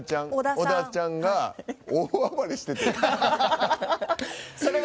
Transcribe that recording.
小田ちゃんが大暴れしてたよね。